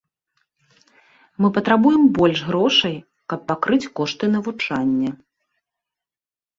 Мы патрабуем больш грошай, каб пакрыць кошты навучання.